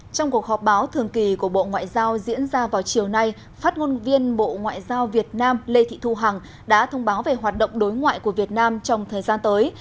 trong cuộc họp báo thường kỳ của bộ ngoại giao diễn ra vào chiều nay phát ngôn viên bộ ngoại giao việt nam lê thị thu hằng đã thông báo về hoạt động đối ngoại của việt nam trong thời gian tới